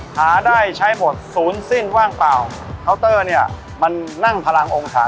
หาได้ใช้หมดศูนย์สิ้นว่างเปล่าเคาน์เตอร์เนี่ยมันนั่งพลังองศา